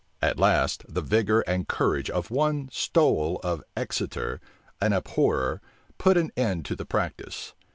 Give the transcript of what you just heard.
At last, the vigor and courage of one Stowel of Exeter, an abhorrer, put an end to the practice.